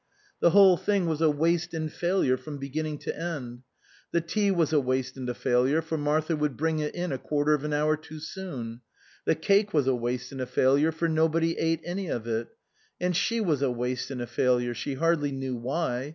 The whole thing was a waste and failure from beginning to end. The tea was a waste and a failure, for Martha would bring it in a quarter of an hour too soon ; the cake was a waste and a failure, for nobody ate any of it ; and she was a waste and a failure she hardly knew why.